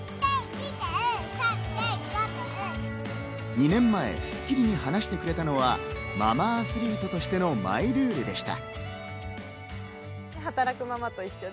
２年前『スッキリ』に話してくれたのはママアスリートとしてのマイルールでした。